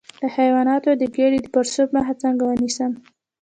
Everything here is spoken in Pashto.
د حیواناتو د ګیډې د پړسوب مخه څنګه ونیسم؟